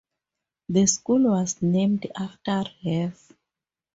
The school was named after Rev.